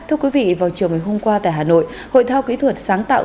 thưa quý vị vào chiều ngày hôm qua tại hà nội hội thao kỹ thuật sáng tạo